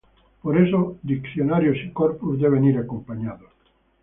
Por eso, diccionarios y corpus deben ir acompañados.